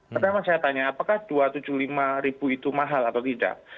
pertama saya tanya apakah rp dua ratus tujuh puluh lima ribu itu mahal atau tidak